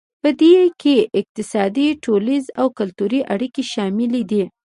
پدې کې اقتصادي ټولنیز او کلتوري اړیکې شاملې دي